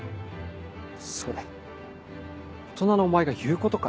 それ大人のお前が言うことかよ。